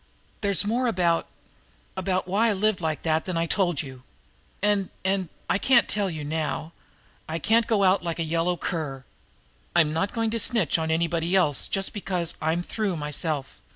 "There's more about about why I lived like that than I told you. And and I can't tell you now I can't go out like a yellow cur I'm not going to snitch on anybody else just because I'm through myself.